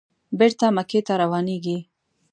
بېرته مکې ته روانېږي.